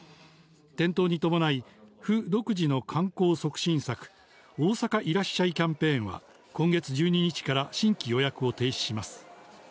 点灯に伴い、府独自の観光促進策、大阪いらっしゃいキャンペーンは、今月１２日から新規予約を停止します。